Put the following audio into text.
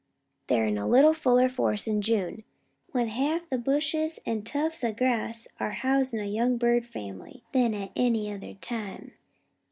They're in a little fuller force in June, when half the bushes an' tufts o' grass are housin' a young bird family, 'an at any other time.